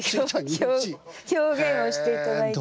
表現をしていただいて。